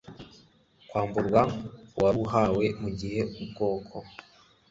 kwamburwa uwaruhawe mu gihe ubwoko